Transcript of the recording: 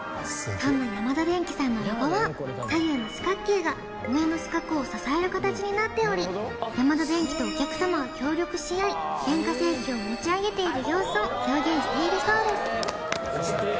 そんなヤマダデンキさんのロゴは左右の四角形が上の四角を支える形になっておりヤマダデンキとお客様が協力し合い電化製品を持ち上げている様子を表現しているそうです素敵！